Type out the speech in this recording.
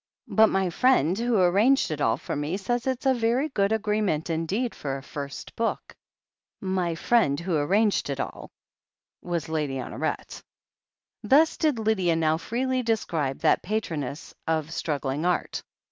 But my friend, who arranged it all for me, says it's a very good agreement indeed for a first book." "My friend who arranged it all" was Lady Hono ret. Thus did Lydia now freely describe that patroness of struggling art.